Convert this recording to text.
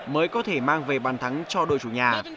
mới có thể mang về bàn thắng cho đội chủ nhà